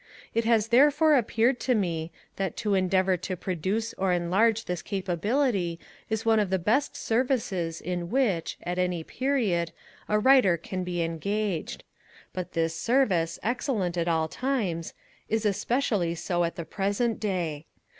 It has therefore appeared to me, that to endeavour to produce or enlarge this capability is one of the best services in which, at any period, a Writer can be engaged; but this service, excellent at all times, is especially so at the present day.